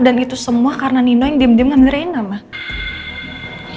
dan itu semua karena nino yang diem diem ngambil reina mbak